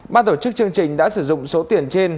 ban tổ chức chương trình đã sử dụng số tiền trên